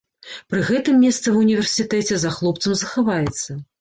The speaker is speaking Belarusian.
Пры гэтым месца ва ўніверсітэце за хлопцам захаваецца.